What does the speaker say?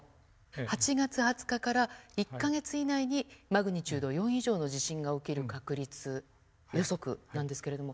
８月２０日から１か月以内にマグニチュード４以上の地震が起きる確率予測なんですけれども。